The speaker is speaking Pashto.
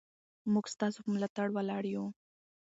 موږ ستاسو په ملاتړ ولاړ یو.